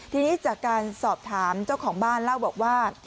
ทีนี้จากการสอบถามเจ้าของบ้านเล่าบอกว่า